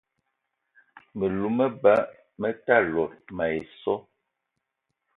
Me lou me ba me ta lot mayi so.